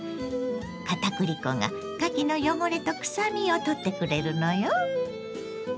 片栗粉がかきの汚れとくさみを取ってくれるのよ。